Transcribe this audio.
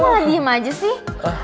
kok malah diem aja sih